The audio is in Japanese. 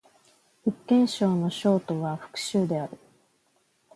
福建省の省都は福州である